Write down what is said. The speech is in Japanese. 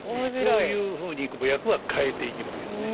そういうふうに役は変えていきますけどね